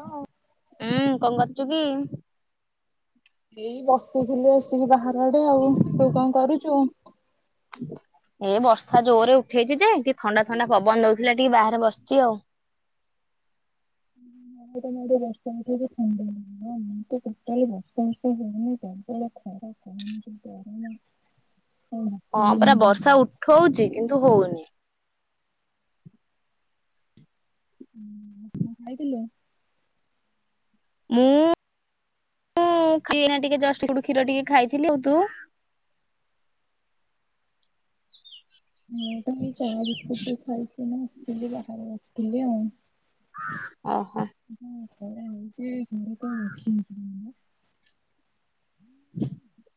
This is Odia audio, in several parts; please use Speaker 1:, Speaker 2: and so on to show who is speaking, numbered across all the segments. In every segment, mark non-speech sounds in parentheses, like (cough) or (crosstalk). Speaker 1: ହଁ
Speaker 2: ଉୁଁ କଁ କରୁଚୁ କି।
Speaker 1: ଏଇ ବସିଥିଲି ଆସିକି ବାହାର ଆଡେ ଆଉ ତୁ କଁ କରୁଚୁ।
Speaker 2: ଏ ବର୍ଷା ଜୋର ରେ ଉଠେଇଚି ଯେ ଟିକେ ଥଣ୍ଡା ଥଣ୍ଡା ପବନ ଦୋଉଥିଲା ଟିକେ ବାହାରେ ବସିଚି ଆଉ। (inaudible)
Speaker 1: ତମ ଆଡେ ବର୍ଷା ଉଠେଇଚି ଥଣ୍ଡା ଲାଗୁଚି ଆମ ଆଡେ ତ ଟୋଟାଲି ବର୍ଷା ଫର୍ଷା ହୋଉନି ପ୍ରବଳ ଖରା କହନି ଯୋଉ ଗରମ
Speaker 2: (inaudible)
Speaker 1: ଆଉ ବାତି
Speaker 2: ହଁ ପରା
Speaker 1: ହଉନି
Speaker 2: ବର୍ଷା
Speaker 1: ଘରୁ।
Speaker 2: ଉଠଉଚି କିନ୍ତୁ ହୋଉନି।
Speaker 1: ହୁଁ କଁ ଖାଇଥିଲୁ।
Speaker 2: ମୁଁ ମୁଁ ଏଇନା ଟିକେ ଜଷ୍ଟ ଟିକେ କ୍ଷୀର ଟିକେ ଖାଇଥିଲି ଆଉ ତୁ
Speaker 1: ମୁଁତ ଏଇ ଚା ବିସ୍କୁଟ ବି ଖାଇକିନା ଏଇ ବାହାରେ ବସିଥିଲି ଆଉ
Speaker 2: ଓହୋ।
Speaker 1: ହଁ ଘ (unintelligible)
Speaker 2: ହ (unintelligible)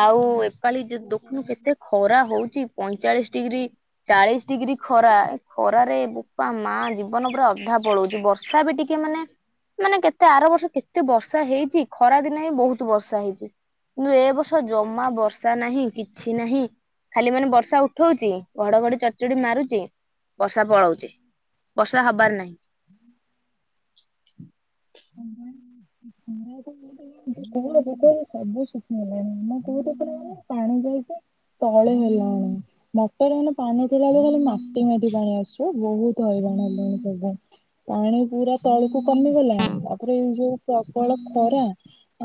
Speaker 2: ଆଉ ଏପାଳି ଯ ଦଖୁନୁ
Speaker 1: ନା।
Speaker 2: କେତେ ଖରା ହଉଛି ପ ଚାଳିଶ ଡିଗ୍ରୀ ଚାଳିଶ ଡିଗ୍ରୀ ଖରା ଏ ଖରାରେ ବୋପା ମା ଜୀବନ ପୁରା ଅଧା ପଳଉଛି। ହୋଉଛି ବର୍ଷା ବି ଟିକେ ମାନେ ମାନେ କେତେ ଆର ବର୍ଷ କେତେ ବର୍ଷା ହେଇଛି ଖରା ଦିନ ହିଁ ବହୁତ ବର୍ଷା ହେଇଛି କିନ୍ତୁ ଏ ବର୍ଷ ଜମା ବର୍ଷା ନାହିଁ କିଛି ନାହିଁ ଖାଲି ମାନେ ବର୍ଷା ଉଠଉଛି ଘଡଘଡି ଚଟଚଡି ମାରୁଚି ବର୍ଷା ପଳାଉଛି ବର୍ଷା ହବାର ନାହିଁ।
Speaker 1: ହଁ ବା
Speaker 2: (inaudible)
Speaker 1: ଖରା ଏପାଳି ଜୋରେ ଯେ କୂଅ ପୋଖୋରି ସବୁ ଶୁଖିଗଲାଣି ଆମ କୂଅ ତ ପୁରା ମାନେ ପାଣି ଯାଇ ଯାଇ ତଳେ ହେଲାଣି ମଟର ରେ ହେଲେ ପାଣି ଉଠେଇଲା ବେଳେ ଖାଲି ମାଟି ମାଟି ପାଣି ଆସୁ ବୋହୁତ ହଇରାଣ ହେଲୁଣି ସେପାଇଁ ପାଣି ପୁରା ତଳୁକୁ କମିଗଲାଣି। ତାପରେ ଏଇ ଯୋଉ ପ୍ରବଳ ଖରା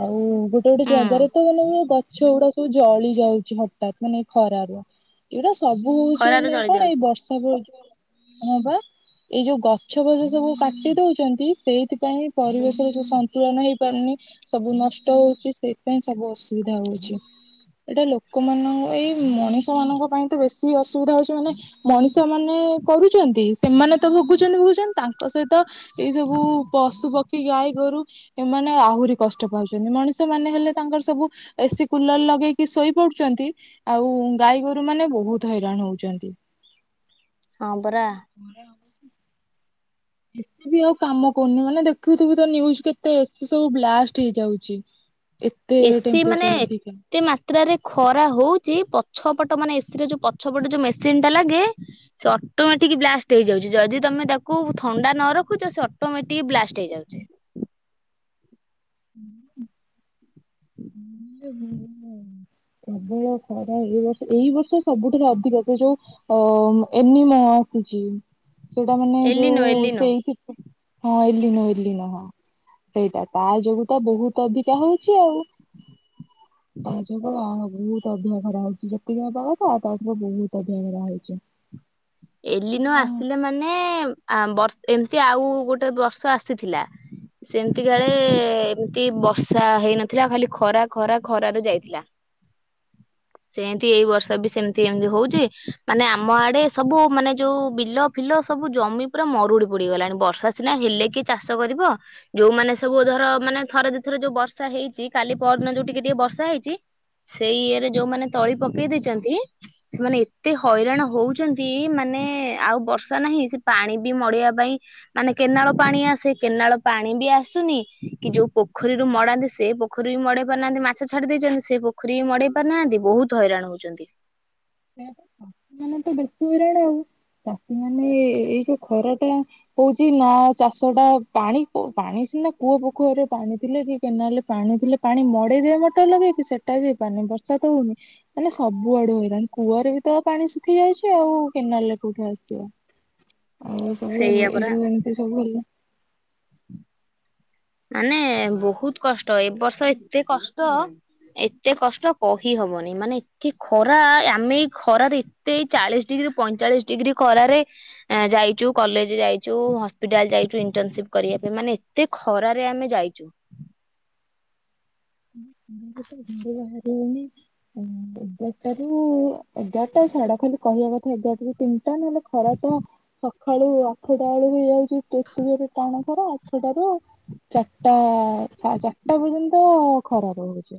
Speaker 1: ଆଉ ଗୋଟେ ଗୋଟେ
Speaker 2: ହୁଁ
Speaker 1: ଜାଗାରେ ତ ମାନେ ପୁରା ଗ ଗଛଗୁଡା ସବୁ ଜଳି ଯାଉଚି ହଠାତ୍ ମାନେ ଏଇ ଖରାରୁ ଏଗୁଡା ସ ସବୁ ହୋଉଛି
Speaker 2: ଖରାରେ
Speaker 1: ମାନେ
Speaker 2: ଜଳି
Speaker 1: କଣ ଏଇ
Speaker 2: ଯାଉଛି
Speaker 1: ବର୍ଷା ପାଇଁ ହୋଉଚି ପା ହଁ ପା ଏଇ ଯୋଉ ଗଛ ଫଛ ସବୁ କାଟି ଦୋଉଚନ୍ତି ସେଇଥିପାଇଁ ପରିବେଶରେ ଯୋଉ ସନ୍ ତୁଳନ ହେଇପାରୁନି ସବୁ ନଷ୍ଟ ହୋଉଚି ସେଇଥିପାଇଁ ସବୁ ଅସୁବିଧା ହୋଉଛି। ଏଟା ଲୋକୋମାନଙ୍କ ଏଇ ମଣିଷ ମାନଙ୍କ ପାଇଁ ତ ବେଶୀ ଅସୁବିଧା ହୋଉଚି ମାନେ ମଣିଷ ସ ମାନେ କରୁଚନ୍ତି ସେମାନେ ତ ଭୋଗୁଚନ୍ତି ଭୋଗୁଚନ୍ତି ତାଙ୍କ ସହିତ ଏଇ ସବୁ ପଶୁ ପକ୍ଷ କ୍ଷୀ ଗାଈ ଗୋରୁ ଏମାନେ ଆହୁରି କଷ୍ଟ ପାଉଚନ୍ତି ମଣିଷ ମାନେ ହେଲେ ତାଙ୍କର ସବୁ ଏସି କୁଲର ଲଗେ ଲଗେଇକି ଶୋଇ ପଡୁଚନ୍ତି ଆଉ ଗାଈ ଗୋରୁ ମାନେ ବୋହୁତ ହଇରାଣ ହୋଉଚନ୍ତି।
Speaker 2: ହ (unintelligible)
Speaker 1: ଉଁ ପରେ ଆଉ ଏ ସି ବି ଆଉ କାମ କରୁନି ମାନେ ଦେଖୁଥୁବୁ ତ ନ୍ଯୁଜ୍‌ କେତେ ଏ ସି ସବୁ ବ୍ଲାଷ୍ଟ ହେଇଯାଉଚି।
Speaker 2: ଏ ସି ମାନେ ଏତେ ମାତ୍ରାରେ ଖରା ହୋଉଚି ପ ଛ ପଟ ମାନେ ଏ ସି ର ଯୋଉ ପଛପଟ ଯୋଉ ମେସିନ୍ ଟା ଲାଗେ ସେ ଅଟୋମେଟିକ ବ୍ଲାଷ୍ଟ ହେଇଯାଉଚି ଯଦି ତ ମେ ତାକୁ ଥଣ୍ଡା ନ ରଖୁଚ ସେ ଅଟୋମେଟିକ ବ୍ଲାଷ୍ଟ ହେଇଯାଉଚି।
Speaker 1: ହୁଁ ହୁଁ ଯେ ବୋଉ ଲୋ। ପ୍ରବଳ ଖରା ଏଇ ବର୍ଷ ଏଇ ବର୍ଷ ସବୁଠାରୁ ଅଧିକ ସେ ଯୋଉ ଅ ଏନିମା ଆସିଚି ସେଟା ମାନେ
Speaker 2: ଏଲିନୋ
Speaker 1: ଯୋଉ
Speaker 2: ଏଲିନୋ
Speaker 1: ସେଇଠି ତ ହଁ ଏଲିନୋ ଏଲିନୋ ହଁ। ସେଇଟା ତା ଯୋଗୁ ତ ବୋହୁତ ଅଧିକା ହଉଚି ଆଉ। ତା ଯୋଗୁ ଆଉ ବୋହୁତ ଅଧିକା ଖରା ହଉଚି ଯେତିକି ହବା କଥା ତାଠାରୁ ବୋହୁତ ଅଧିକା ଖରା ହଉଚି।
Speaker 2: ଏଲିନୋ ଆସିଲେ ମାନେ ଆ ବର୍ ଏମତି ଆଉ ଗୋଟେ ବର୍ଷ ଆସିଥିଲା। ସେମତି କାଳେ ଏମତି ବର୍ଷା ହେଇନଥିଲା ଖାଲି ଖରା ଖରା ଖରାରେ ଯାଇଥିଲା। ସେନ୍ତି ଏଇ ବର୍ଷ ବି ସେମତି ଏମତି ହୋଉଚି ମାନେ ଆମ ଆଡ଼େ ସବୁ ମାନେ ଯେଉଁ ବିଲ ଫିଲ ସବୁ ଜମି ପୁରା ମରୁଡ଼ି ପଡ଼ିଗଲାଣି ବର୍ଷା ସିନା ହେଲେ କିଏ ଚାଷ କରି ବ ଯୋଉମାନେ ସବୁ ଧର ମାନେ ଥରେ ଦିଥର ଯୋଉ ବର୍ଷା ହେଇଚି କାଲି ପରଦିନ ଯୋଉ ଟିକେ ଟିକେ ବର୍ଷା ହେଇଚି ସେଇ ଇଏରେ ଯୋଉମାନେ ତଳି ପକେଇ ଦେଇଚନ୍ତି ସେମାନେ ଏତେ ହଇରାଣ ହୋଉ ଚନ୍ତି ମାନେ ଆଉ ବର୍ଷା ନାହିଁ ସେ ପାଣି ବି ମଡ଼େଇବା ପାଇଁ ମାନେ କେନାଲ୍ ପାଣି ଆସେ କେନାଳ ପାଣି ବି ଆସୁନି କି ଯୋଉ ପୋଖରୀରୁ ମଡ଼ାନ୍ତି ସେ ପୋଖରୀ ବି ମଡ଼େଇ ପାରୁନାହାନ୍ତି ମାଛ ଛାଡ଼ି ଦେ ଚନ୍ତି ସେଇ ପୋଖରୀ ମଡ଼େଇ ପାରୁନାହାନ୍ତି ବୋହୁତ ହଇରାଣ ହୋଉଚନ୍ତି।
Speaker 1: ପ୍ରାୟ ତ ଚାଷୀମାନେ ତ ବେଶୀ ହଇରାଣ ଆଉ। ଚାଷୀମାନେ ଏ ଏଇ ଯୋଉ ଖରାଟା ହୋଉଚି ନାଁ ଚାଷଟା ପାଣି ପୁ ପାଣି ସିନା କୂଅ ପୋଖରୀରେ ପାଣି ଥିଲେ କି କେନାଲରେ ପାଣି ଥିଲେ ପାଣି ମଡ଼େଇ ଦିଏ ମଟର ଲଗେଇକ କି ସେଟା ବି ହେଇପାରୁନି। ବର୍ଷା ତ ହୋଉନି ମାନେ ହେଲେ ସବୁ ଆଡ଼ୁ ହଇରାଣ। କୂଅରେ ବି ତ ପାଣି ଶୁଖି ଯାଉଚି, ଆଉ କେନାଲରେ କୋଉଠି ଆସିବ? ଆଉ ସବୁ ଏ
Speaker 2: ସେଇଆ
Speaker 1: ଏଇ
Speaker 2: ପରା
Speaker 1: ଯୋଉ ଏମତି ସବୁ ହେଲା
Speaker 2: ମାନେ ବୋହୁତ କଷ୍ଟ ଏ ବର୍ଷ ଏତେ କଷ୍ଟ ଏତେ କଷ୍ଟ କହିହବନି ମାନେ ଏତେ ଖରା ଆମେ ଏଇ ଖରାରେ ଏତେ ଏଇ ଚାଳିଶ ଡି ଇରୁ ପଇଁଚାଳିଶି ଡିଗ୍ରୀ ଖରାରେ ଯାଇଚୁ କଲେଜ ଯାଇଚୁ ହସ୍ପିଟାଲ୍ ଯାଇଚୁ ଇଣ୍ଟନସିପ୍ କ କରିଆ ପାଇଁ ମାନେ ଏତେ ଖରାରେ ଆମେ ଯାଇଚୁ।
Speaker 1: ଆମ (inaudible) ଘରୁ ବାହାରି ହୋଉନି ଆଉ ଏଗାରଟାରୁ ଏଗାରଟା ସାଡ଼େ ଖାଲି କହିବା କଥା ଏଗାରଟାରୁ ତିନିଟା ନହେଲେ ଖରା ତ ସଖାଳୁ ଆଠଟା ଅଳୁକୁ ଯାଉଚୁ କେତେ ଜୋରେ ଟାଣ ଖରା ଆଠଟାରେ। ଚାରିଳଟା ସା ଚାରଟା ପର୍ଯ୍ୟନ୍ତ ଖରା ରହୁଚି।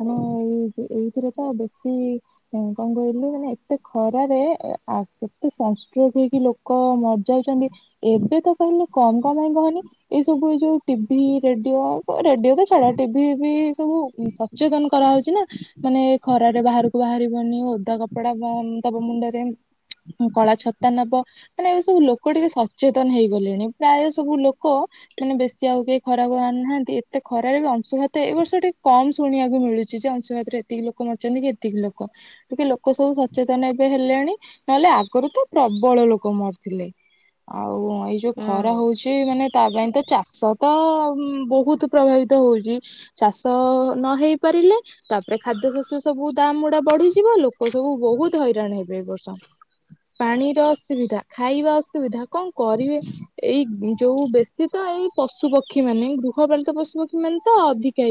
Speaker 1: ମାନେ ଏଇ ଏଇଥିରେ ତ ବେଶୀ ଇଁ କଣ କହିଲୁ ମାନେ ଏତେ ଖରାରେ ଏ ଆ କେତେ ସନଷ୍ଟ୍ରୋକ୍ ହେଇକି ଲୋକ ମରଯାଉଚନ୍ତି ଏବେ ତ କହିଲେ କମ କମ ଆମର ଆନେ ଏଇ ସବୁ ଯୋଉ ଟି ଭି ରେଡ଼ିଓ ଆ ରେଡ଼ିଓ ତ ଛାଡ଼ ଟି ଭି ବି ସବୁ ଇ ସଚେତନ କରାହଉଚି ନାଁ ମାନେ ଖରରେ ବାହାରୁକୁ ବାହାରିବନି। ଓଦା କପଡ଼ା ବ୍ୟା ଦବ ମୁଣ୍ଡରେ କଳା ଛତା ନବ। ହେନେ ଏଇ ଏବେ ସବୁ ଲୋକ ଟିକେ ସଚେତନ ହେଇଗଲେଣି ପ୍ରାୟ ସବୁ ଲୋକ ମାନେ ବେଶୀ ଆଉ କେହି ଖରାକୁ ବା ନାହାନ୍ତି ଏତେ ଖରାରେ ବି ଅଂଶୁଘା ତ ଏଇ ବର୍ଷ ଟିକେ କମ ଶୁଣିବାକୁ ମିଳୁଚି ଯେ ଅଂଶୁଘାତରେ ଏତିକି ଲୋକ ମରିଚନ୍ତି କି ଏତିକି ଲୋକ ଟିକେ ଲୋକ ସବୁ ସଚେତନ ଏବେ ହେଲେଣି ନହେଲେ ଆଗୁରୁ ତ ପ୍ରବଳ ଲୋକ ମରଥିଲେ ଆ ଆଉ ଏଇ ଯୋଉ
Speaker 2: ହୁଁ
Speaker 1: ଖରା ହଉଚି ମାନେ ତା ପାଇଁ ତ ଚା ଷ ତ ବହୁତ ପ୍ରଭାବିତ ହଉଚି ଚାଷ ନ ହେଇ ପାରିଲେ ତାପରେ ଖାଦ୍ୟ ଶସ୍ୟ ସବୁ ଦାମ୍ ଉଡ଼ା ବଢି଼ଯିବ ଲୋ କ ସବୁ ବହୁତ ହଇରାଣ ହେବେ ଏ ବର୍ଷ। ପାଣିର ଅସୁବିଧା ଖାଇବା ଅସୁବିଧା କଣ କରିବେ ଏଇ ଯୋଉ ବେଶୀ ତ ଏଇ ପଶୁପକ୍ଷୀ ମାନେ ଗୃହପାଳିତ ପଶୁପକ୍ଷୀ ମାନେ ତ ଅଧି କି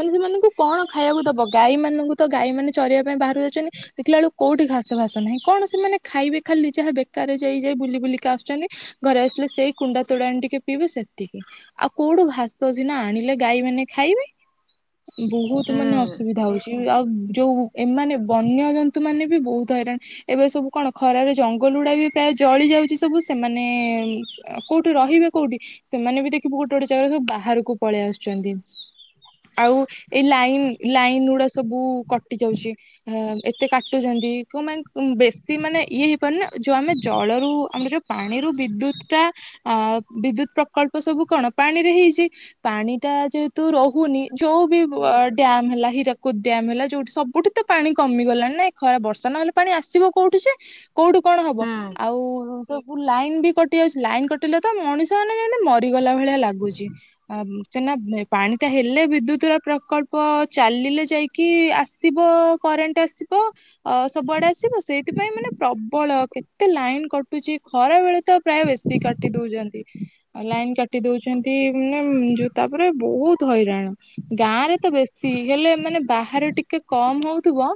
Speaker 1: ମାନେ ସେମାନଙ୍କୁ କଣ ଖାଇବାକୁ ଦବ। ଗାଈ ମାନଙ୍କୁ ତ ଗାଈ ମାନ ଚରେଇବା ପାଇଁ ବାହାରୁ ଯାଉଚନ୍ତି। ଦେଖିଲା ବଳକୁ କୋଉଠି ଘାସ ଫାସ ନାହିଁ। କଣ ସେମାନେ ଖାଇବେ ଖାଲି ଜାହା ବେକା ବାହାରେ ଯାଇ ଯାଇ ବୁଲି ବୁଲିକା ଆସୁଚନ୍ତି। ଘରେ ଆସିଲେ ସେଇ କୁଣ୍ଡା ତୋରାଣି ଟିକେ ପିଇବେ ସେତିକି। ଆଉ କୋଉ ଠୁ ଘାସ ସିନା ଆଣିଲେ ଗାଈ ମାନେ ଖାଇବେ। ବହୁତ ମାନେ
Speaker 2: ହୁଁ
Speaker 1: ଅସୁବିଧା ହଉଛି। ଆଉ ଯୋଉ ଏମାନେ ବନ୍ୟଜନ୍ତୁ ମାନେ ବି ବହୁତ ହଇରାଣ। ଏବେ ସବୁ କଣ ଖରାରେ ଜଙ୍ଗଲ ଗୁଡା ବି ପ୍ରାୟ ଜଳି ଯାଉଚି। ସବୁ ସେମାନେ କୋଉଠି ରହିବେ କୋଉଠି ସେମାନେ ବି ଦେଖିବୁ ଗୋଟେ ଗୋଟେ ଜାଗାରେ ସବୁ ବାହାରକୁ ପଳେଇ ଆସୁଛନ୍ତି। ଆଉ ଏଇ ଲାଇନ୍ ଲାଇନ ଗୁଡା ସ ସବୁ କଟି ଯାଉଚି। ଅଁ ଏତେ କାଟୁଛନ୍ତିୁ ଉଁ ମାନେ ବେଶୀ ମାନେ ଇଏ ହେଇପାରୁନି ନା। ଯୋଉ ଆମେ ଜଳରୁ ଆମର ଯୋଉ ପାଣିରୁ ବିଦ୍ୟୁତ ଟା ଅ ବିଦ୍ୟୁତ ପ୍ରକଳ୍ପ ସବୁ କଣ? ପାଣି ହଉନି ଯୋଉ ବି ଅ ଡ୍ୟାମ ହେଲା ହୀରାକୁଦ ଡ୍ୟାମ ହେଲା। ଯୋଉଠି ସବୁଠି ତ ପାଣି କମିଗଲାଣି ନା। ଖ ବର୍ଷା ନହେଲେ ପାଣି ଆସିବ କୋଉଠୁ ଯେ କୋଉଠୁ କଣ ହବ।
Speaker 2: ହୁଁ
Speaker 1: ଆଉ ସବୁ ଲାଇନ ବି କଟି ଯାଉଚି। ଲାଇନ କଟିଲେ ତ ମଣିଷ ମାନେ ଯେମିତି ମରିଗଲା ଭଳିଆ ଲାଗୁଚି। ଆ ସେ ନା ଅଁ ପାଣି ତା ହେଲେ ବିଦ୍ୟୁତର ପ୍ରକଳ୍ପ ଚାଲିଲେ ଯାଇକି ଆସିବ କରେଣ୍ଟ ଆସିବ। ଅ ସବୁଆଡେ ଆସିବ ସେଇଥିପାଇଁ ମାନେ ପ୍ରବଳ କେତେ ଲାଇନ କଟୁଚି। ଖରା ବେଳେ ତ ପ୍ରାୟ ବେଶୀ କାଟି ଦଉଚନ୍ତି ଲାଇନ୍ କାଟି ଦଉଚନ୍ତି। ଉଁ ଜୋଉ ତାପରେ ବହୁତ ହଇରାଣ ଗାଁ ରେ ତ ବେଶୀ ହେଲେ ମାନେ ବାହାରେ ଟିକେ କମ ହଉଥିବ।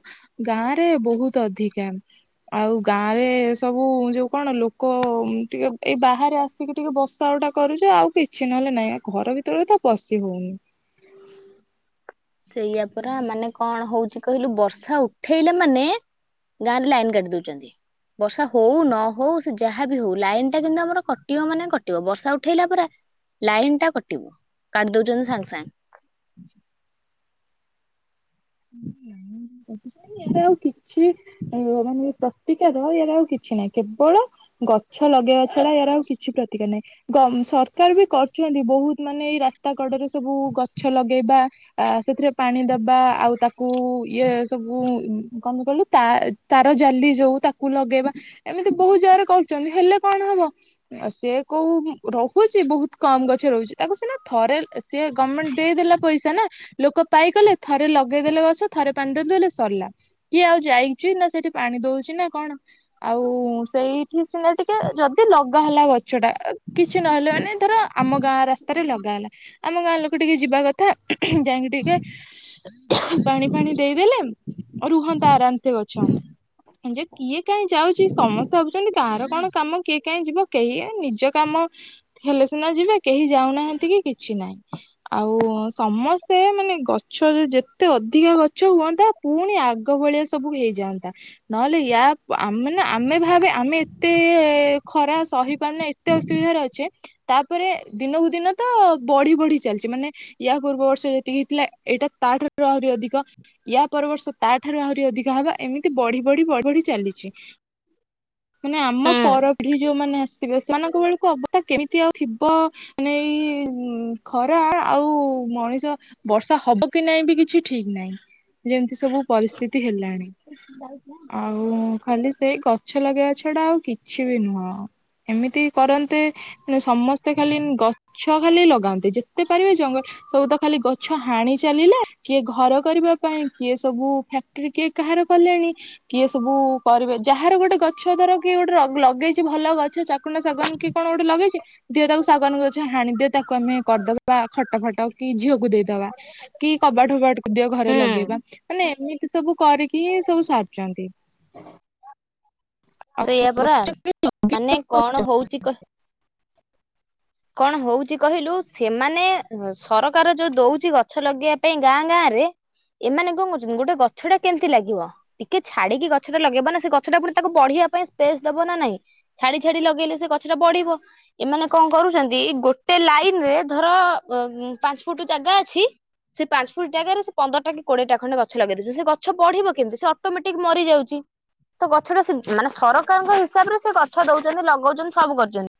Speaker 1: ଗାଁ ଆଁ ରେ ବହୁତ ଅଧିକା। ଆଉ ଗାଁ ରେ ସବୁ ଯୋଉ କଣ? ଲୋକ ଟିକେ ଏଇ ବାହାରେ ଆସିକି ଟିକେ ବସା ଉ ଟା କରୁଚେ ଆଉ କିଛି ନହେଲେ ନାଇଁ। ଘର ଭିତରେ ତ ପସିି ହଉନି।
Speaker 2: ସେଇଆ ପରା ମାନେ କଣ ହଉଛି କହିଲୁ ବର୍ଷା ଉଠେଇଲା ମାନେ? ଗାଁରେ ଲାଇନ କାଟି ଦଉଚନ୍ତି। ବର୍ଷା ହଉ ନ ହଉ ସେ ଯାହାବି ହଉ। ଲାଇନ ଟା କିନ୍ତୁ ଆମର କଟିବ ମାନେ କଟିବ ବର୍ଷା ଉଠେଇଲା ପରା। ଲାଇନ ଟା କଟିବ। କାଟି ଦଉଚନ୍ତି ସାଙ୍ଗେ ସାଙ୍ଗେ।
Speaker 1: କଣ ପାଇଁ ଲାଇନ କାଟୁଚନ୍ତି କି? ଏଇରା ଆଉ କିଛି ଇଏ ମାନେ ପ ପ୍ରତିକାର ଇଆର ଆଉ କିଛି ନାହିଁ। କେବଳ ଗଛ ଲଗେଇବା ଛଡା ଇଆର ଆଉ କିଛି ପ୍ରତିକାର ନାହିଁ। ଗ ସରକାର ବି କରୁଚନ୍ତି। ବହୁତ ମାନେ ଏଇ ରାସ୍ତା କଡରେ ସବୁ ଗଛ ଲଗେଇବା। ଆ ସେଥିରେ ପାଣି ଦବା। ଆଉ ତାକୁ ଇଏ ସବୁ ଉଁ କଁ ପାଇଁ କହିଲୁ ତାର ଜାଲି ଯୋଉ ତାକୁ ଲଗେଇବା। ଏମିତି ବହୁତ ଜାଗାରେ କରୁଚନ୍ତି। ହେଲେ କଣ ହବ ଆ ସିଏ କୋଉ ରହୁଚି ବହୁତ କମ ଗଛ ରହୁଚି। ତାକୁ ସିନା ଥରେ ସେ ଗଭମେଣ୍ଟ ଦେଇଦଲା ପଇସା ନା ଲୋକ ପାଇଗଲେ। ଥରେ ଲଗ ଲଗେଇଦେଲେ ଗଛ ଥରେ ପାଣି ଦେଇ ଦେଲେ ସରିଲା। କିଏ ଆଉ ଯାଇଚି। ନା ସେଠି ପାଣି ଦଉଚି ନା କଣ? ଆ ଆଉ ସେଇଠି ସିନା ଟିକେ ଯଦି ଲଗା ହେଲା ଗଛ ଟା। କିଛି ନହେଲେ ମାନେ ଧର ଆମ ଗାଁ ରାସ୍ତାରେ ଲଗା ହେଲା ଆମ ଗାଁ ଲୋକ ଟିକେ ଯିବା କଥା। ଉଁହୁଁ ଯାଇକି ଟିକେ ପାଣି ଫାଣି ଦେଇଦେଲେ ରୁହନ୍ତା ଆରାମ ସେ ଗଛ। ଯେ କିଏ କାଇଁ ଯାଉଚି ସମସ୍ତେ ଭାବୁଛନ୍ତି ଗାଁର। କଣ କାମ କିଏ କାଇଁ ଯିବ। କେହି ନିଜ କାମ ହେଲେ ସିନା ଯିବେ କେହି ଯାଉନାହାନ୍ତି। କି କିଛି ତି ନାଇଁ। ଆଉ ସମସ୍ତେ ମାନେ ଗଛରେ ଯେ ଏତେ ଅଧିକା ଗଛ ହୁଅନ୍ତା। ପୁଣି ଆଗ ଭଳିଆ ସବୁ ହେଇଯାଆନ୍ତା। ନହେଲେ ୟା ଆମ ମାନେ ଆମେ ଭାବେ ଆମେ ଏତେ ଖରା ସହିପାରୁନେ ଏତେ ଅସୁବିଧାରେ ଅଛେ। ତାପରେ ଦିନକୁ ଦିନ ତ ବଢି ବଢି ଚାଲିଚି। ମାନେ ୟା ପୂର୍ବ ବର୍ଷ ଯେତିକି ହେଇଥିଲା। ଏଇଟା ତାଠାରୁ ଆହୁରି ଅଧିକ ୟା ପରବର୍ଷ ତାଠାରୁ ଆହୁରି ଅଧିକା ହବା। ଏମିତି ବଢି ବଢି ବଢି ବଢି ଚାଲିଚି।
Speaker 2: ହୁଁ।
Speaker 1: ମାନେ ଆମ ପରପିଢି ଯୋଉମାନେ ଆସିଥିବେ। ସେମାନଙ୍କ ବେଳକୁ ଅବସ୍ଥା କେମିତି ଆଉ ଥିବ। ମାନେ ଏଇ ଖରା ଆଉ ମଣିଷ ବର୍ଷା ହବ କି ନାଇଁ ବି କି କିଛି ଠିକ ନାହିଁ। ଯେମିତି ସବୁ ପରିସ୍ଥିତି ହେଲାଣି। ଆଉ ଖାଲି ସେଇ ଗଛ ଲଗେଇବା ଛଡା ଆଉ କିଛି ବି ନୁହଁ ଏମିତି କରନ୍ତେ ସମସ୍ତେ ଖାଲି ଉଁ ଗଛ ଖାଲି ଲଗାନ୍ତେ ଯେତେ ପାରିବେ ଜଙ୍ଗଲ ସବୁ ତ ଖାଲି ଗଛ ହାଣି ଚାଲିଲେ। କିଏ ଘର କରିବା ପାଇଁ କିଏ ସବୁ ଫ୍ୟାକ୍ଟ୍ରି କିଏ କାହାର କଲେଣି କିଏ ସବୁ ପରିବେ ଯାହାର ଗୋଟେ ଗଛ ଧର କିଏ ଗୋଟେ ରଗେଇ ଲଗେଇଛି ଭଲ ଗଛ ଚାକୁଣ୍ଡା ଶାଗୁଆନ୍ କି କଣ ଗୋଟେ ଲଗେଇଛି ଦିଅ ତାକୁ ଶାଗୁଆନ୍ ଗଛ ହାଣି ଦେ ତାକୁ ଆମେ କରିଦବା ଖଟ ଫଟ କି ଝିଅକୁ ଦେଇଦବା କି କବାଟ ଫବାଟ ଦିଅ ଘରେ ଲଗେଇବା
Speaker 2: ହୁଁ
Speaker 1: ମାନେ ଏମିତି ସବୁ କରିକି ସବୁ ସରୁଛନ୍ତି।
Speaker 2: କଣ? ସେଇଆ ପରା ମାନେ କଣ ହଉଛି କ କଣ ହଉଛି କହିଲୁ ସେମାନେ ସରକାର ଯୋଉ ଦଉଛି ଗଛ ଲଗେଇବା ପାଇଁ ଗାଁ ଗାଁ ରେ ଏମାନେ କଣ କରୁଛନ୍ତି ଗୋଟେ ଗଛଟା କେମିତି ଲାଗିବ ଟିକେ ଛାଡିକି ଗଛଟା ଲଗେଇବ ନା ସେ ଗଛଟା ପୁଣି ତାକୁ ବଢିଆ ବଢିଆ ପାଇଁ ସ୍ପେସ୍ ଦବ ନା ନାହିଁ ଛାଡି ଛାଡି ଲଗେଇଲେ ସେ ଗଛ ଟା ବଢିବ ଏମାନେ କଣ କରୁଛ ଛନ୍ତି ଗୋଟେ ଲାଇନ୍ ରେ ଧର ପାଞ୍ଚ ଫୁଟ୍ ଜାଗା ଅଛି ସେ ପାଞ୍ଚ ଫୁଟ୍ ଜାଗାରୁ ସେ ପନ୍ଦରଟା କି କୋଡ଼ିଏଟା ଖଣ୍ଡେ ଗଛ ଲଗେଇ ଦଉଛନ୍ତି ସେ ଗଛ ବଢିବ କେମିତି ସେ ଅଟୋମେଟିକ୍ ମରି ଯାଉଛି। ତ ଗଛଟା ସେ ମାନେ ସରକାରଙ୍କ ହିସାବ ରେ ସେ ଗଛ ଦଉଛନ୍ତି ଲଗଉଛନ୍ତି ସବୁ କରିଛନ୍ତି।